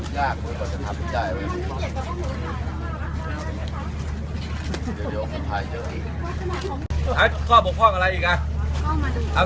อย่างไม่เคยขายออกยังไงครับ